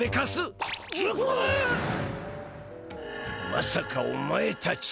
まさかお前たち。